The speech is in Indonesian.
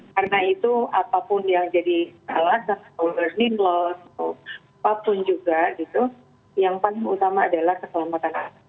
karena itu apapun yang jadi salah seperti kesehatan kesehatan apapun juga gitu yang paling utama adalah keselamatan